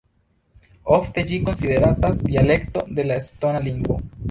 Ofte ĝi konsideratas dialekto de la estona lingvo.